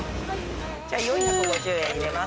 じゃ４５０円入れます。